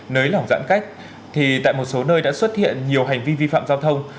nới lỏng giãn cách thì tại một số nơi đã xuất hiện nhiều hành vi vi phạm giao thông